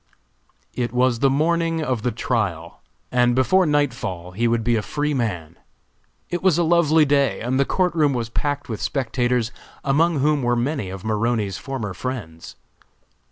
It was the morning of the trial, and before nightfall he would be a free man. It was a lovely day and the court room was packed with spectators, among whom were many of Maroney's former friends.